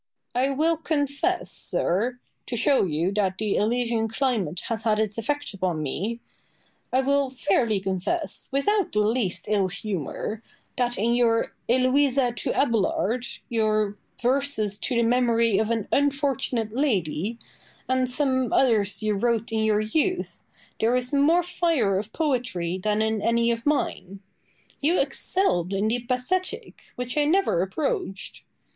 Boileau. I will confess, sir (to show you that the Elysian climate has had its effects upon me), I will fairly confess, without the least ill humour, that in your "Eloisa to Abelard," your "Verses to the Memory of an Unfortunate Lady," and some others you wrote in your youth, there is more fire of poetry than in any of mine. You excelled in the pathetic, which I never approached.